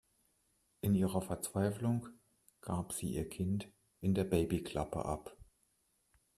In ihrer Verzweiflung gab sie ihr Kind in der Babyklappe ab.